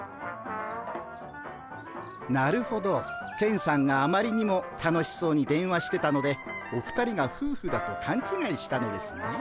なるほどケンさんがあまりにも楽しそうに電話してたのでお二人がふうふだとかんちがいしたのですね。